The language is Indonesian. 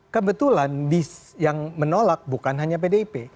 kebetulan yang menolak bukan hanya pdip